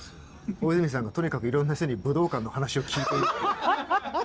大泉さんがとにかくいろんな人に武道館の話を聞いている。